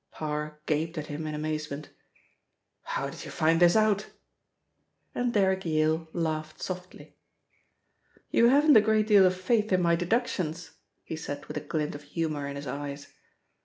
Parr gaped at him in amazement. "How did you find this out?" And Derrick Yale laughed softly. "You haven't a great deal of faith in my deductions," he said with a glint of humour in his eyes.